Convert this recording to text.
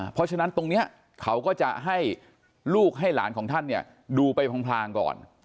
เพราะฉะนั้นตรงนี้เขาก็จะให้ลูกให้หลานของท่านเนี่ยดูไปพลางก่อน